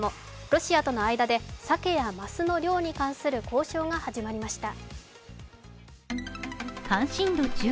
ロシアとの間でサケやマスの漁に関する交渉が始まりました。